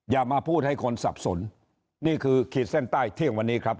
อย่ามาพูดให้คนสับสนนี่คือขีดเส้นใต้เที่ยงวันนี้ครับ